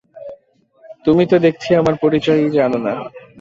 তুমি তো দেখছি আমার পরিচয়ই জানো না!